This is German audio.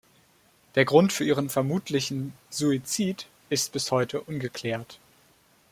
Der Grund für ihren vermutlichen Suizid ist bis heute ungeklärt.